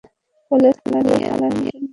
ফলের থালা নিয়ে আমন্ত্রণ করেছে ওদেরকে, হাহ?